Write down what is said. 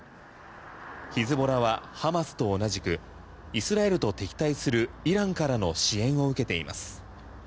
ヒズボラはハマスと同じくイスラエルと敵対するイランからの支援を受けています。